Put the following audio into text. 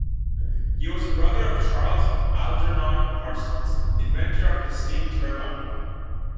He was the brother of Charles Algernon Parsons, inventor of the steam turbine.